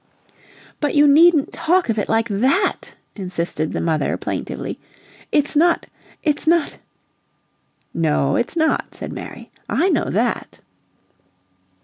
"But you needn't talk of it like THAT!" insisted the mother, plaintively. "It's not it's not " "No, it's not," said Mary. "I know that!"